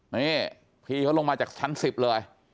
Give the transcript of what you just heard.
นี่พี่เขาลงมาจากชั้น๑๐เลย